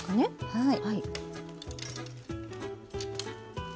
はい。